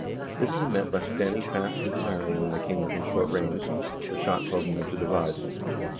This he met by standing fast and firing when they came within short range, the shot causing them to divide.